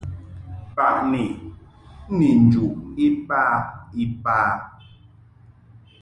Baʼni ni njuʼ iba iba.